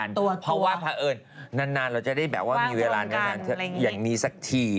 เพราะว่าพระเอิญนานเราจะได้แบบว่ามีเวลานานอย่างนี้สักที